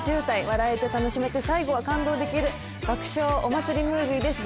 笑えて楽しめて最後は感動できる爆笑お祭りムービーです